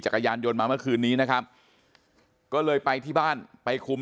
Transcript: จังหวะนั้นได้ยินเสียงปืนรัวขึ้นหลายนัดเลย